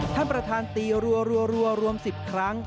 ท่านประธานตีรัวรวม๑๐ครั้ง